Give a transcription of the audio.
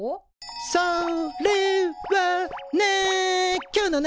それはね。